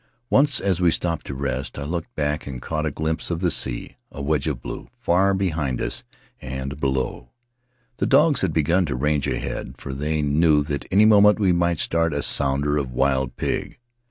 Once, as we stopped to rest, I looked back and caught a glimpse of the sea — a wedge of blue, far behind us and below. The dogs had begun to range ahead, for they knew that any moment we might start a sounder of wild pig.